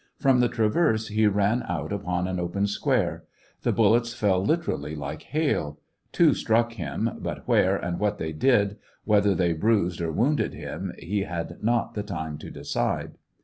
From the traverse he ran out upon an open square. The bullets fell literally like hail. Two struck him, — but where, and what they did, whether they bruised or wounded him, he had not the time to decide.